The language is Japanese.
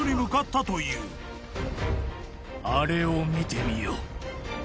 あれを見てみよ。